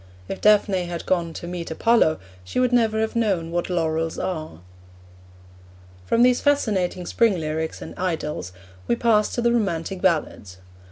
If Daphne had gone to meet Apollo, she would never have known what laurels are. From these fascinating spring lyrics and idylls we pass to the romantic ballads.